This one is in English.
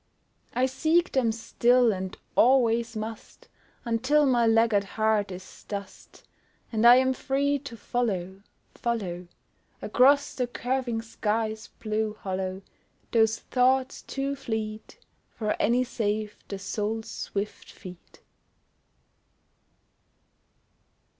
I seek them still and always must Until my laggard heart is dust And I am free to follow, follow, Across the curving sky's blue hollow, Those thoughts too fleet For any save the soul's swift feet!